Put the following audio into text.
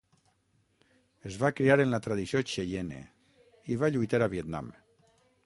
Es va criar en la tradició xeiene i va lluitar a Vietnam.